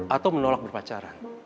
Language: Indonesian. atau menolak berpacaran